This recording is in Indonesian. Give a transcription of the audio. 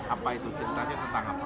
apa itu cintanya tentang apa